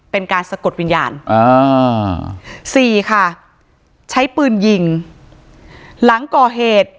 เป็นการสะกดวิญญาณอ่าสี่ค่ะใช้ปืนยิงหลังก่อเหตุ